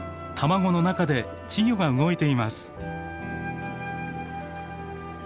卵の中で稚魚が動いています。